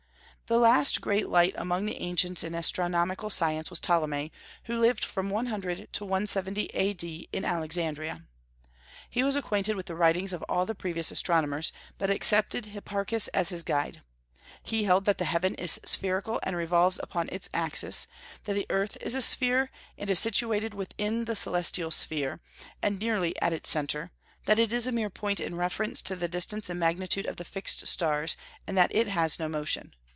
The last great light among the ancients in astronomical science was Ptolemy, who lived from 100 to 170 A.D., in Alexandria. He was acquainted with the writings of all the previous astronomers, but accepted Hipparchus as his guide. He held that the heaven is spherical and revolves upon its axis; that the earth is a sphere, and is situated within the celestial sphere, and nearly at its centre; that it is a mere point in reference to the distance and magnitude of the fixed stars, and that it has no motion.